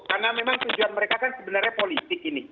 karena memang tujuan mereka kan sebenarnya politik ini